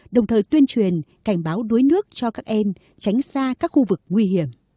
đồng thời tuyên truyền cảnh báo đuối nước cho các em tránh xa các khu vực nguy hiểm